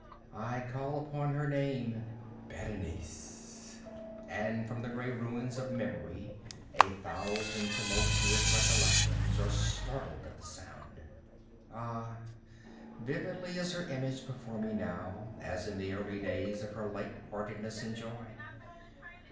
—I call upon her name—Berenice!—and from the gray ruins of memory a thousand tumultuous recollections are startled at the sound! Ah, vividly is her image before me now, as in the early days of her light heartedness and joy!